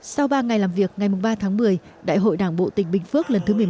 sau ba ngày làm việc ngày ba tháng một mươi đại hội đảng bộ tỉnh bình phước lần thứ một mươi một